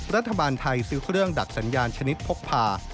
รัฐบาลไทยซื้อเครื่องดักสัญญาณชนิดพกพา